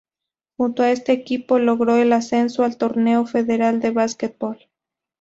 Junto a este equipo logró el ascenso al Torneo Federal de Básquetbol.